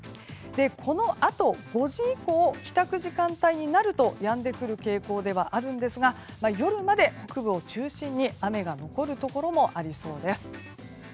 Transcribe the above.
このあと５時以降帰宅時間帯になるとやんでくる傾向ではあるんですが夜まで北部を中心に雨が残るところもありそうです。